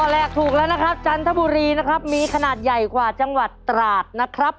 แรกถูกแล้วนะครับจันทบุรีนะครับมีขนาดใหญ่กว่าจังหวัดตราดนะครับ